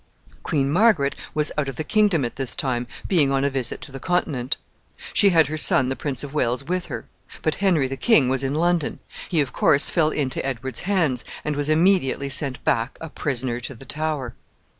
Queen Margaret was out of the kingdom at this time, being on a visit to the Continent. She had her son, the Prince of Wales, with her; but Henry, the king, was in London. He, of course, fell into Edward's hands, and was immediately sent back a prisoner to the Tower.